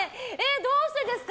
どうしてですか？